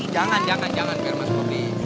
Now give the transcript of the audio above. jangan jangan jangan mas bopi